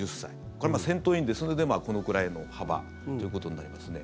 これは戦闘員ですのでこれくらいの幅ということになりますね。